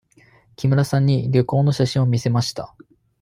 木村さんに旅行の写真を見せました。